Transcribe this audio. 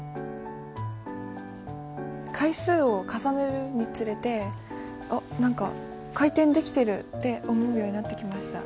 回数を重ねるにつれて「あっ何か回転できてる」って思うようになってきました。